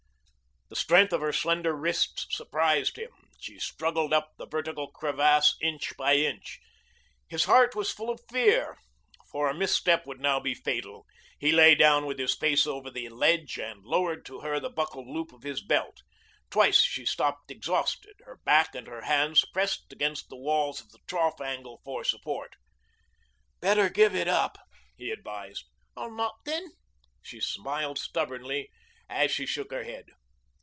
The strength of her slender wrists surprised him. She struggled up the vertical crevasse inch by inch. His heart was full of fear, for a misstep now would be fatal. He lay down with his face over the ledge and lowered to her the buckled loop of his belt. Twice she stopped exhausted, her back and her hands pressed against the walls of the trough angle for support. "Better give it up," he advised. "I'll not then." She smiled stubbornly as she shook her head.